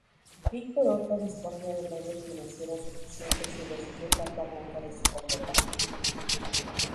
Victor Horta disponía de medios financieros suficientes y recibió "carta blanca" de su contratante.